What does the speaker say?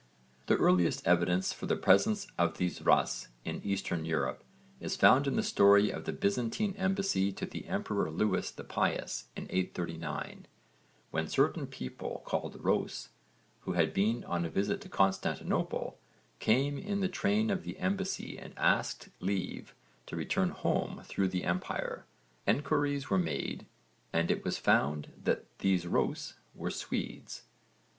The earliest evidence for the presence of these 'Rus' in Eastern Europe is found in the story of the Byzantine embassy to the emperor Lewis the Pious in 839 (v. supra, p. 19), when certain people called 'Rhôs,' who had been on a visit to Constantinople, came in the train of the embassy and asked leave to return home through the empire. Enquiries were made and it was found that these 'Rhôs' were Swedes.